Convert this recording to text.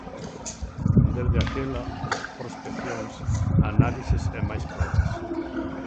Desde aquela, prospeccións, análises e máis probas.